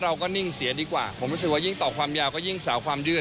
เราก็นิ่งเสียดีกว่าผมรู้สึกว่ายิ่งต่อความยาวก็ยิ่งสาวความยืด